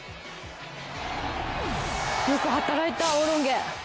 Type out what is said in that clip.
よく働いたオーロンゲ。